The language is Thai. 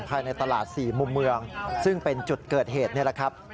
ภายในตลาด๔มุมเมืองซึ่งเป็นจุดเกิดเหตุนี่แหละครับ